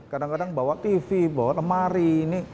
kadang kadang bawa tv bawa lemari